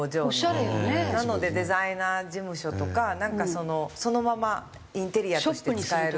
なのでデザイナー事務所とかなんかそのそのままインテリアとして使える。